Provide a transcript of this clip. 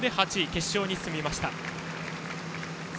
決勝に進みました。